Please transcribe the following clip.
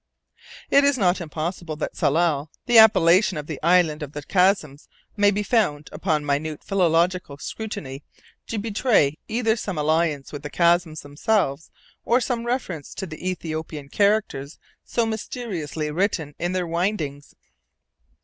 It is not impossible that "Tsalal," the appellation of the island of the chasms, may be found, upon minute philological scrutiny, to betray either some alliance with the chasms themselves, or some reference to the Ethiopian characters so mysteriously written in their windings.